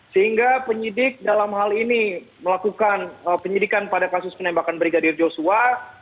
sehingga penyidik dalam hal ini melakukan penyidikan pada kasus penembakan brigadir joshua